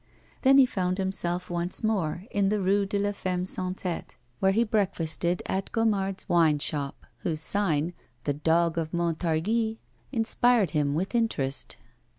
Then he found himself once more in the Rue de la Femme sans Tête, where he breakfasted at Gomard's wine shop, whose sign 'The Dog of Montargis,' inspired him with interest.